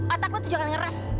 atak lo tuh jangan ngeres